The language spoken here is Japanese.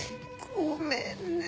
ごめんね。